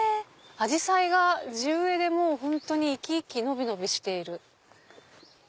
アジサイが地植えで生き生き伸び伸びしている。